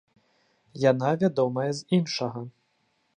Яна вядомая з іншага.